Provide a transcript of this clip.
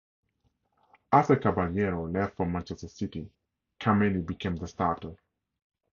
After Caballero left for Manchester City, Kameni became the starter.